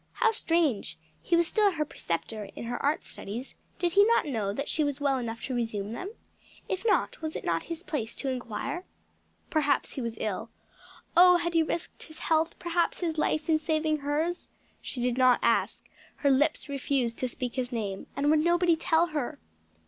How strange! he was still her preceptor in her art studies; did he not know that she was well enough to resume them? If not, was it not his place to inquire? Perhaps he was ill. Oh, had he risked his health, perhaps his life in saving hers? She did not ask; her lips refused to speak his name, and would nobody tell her?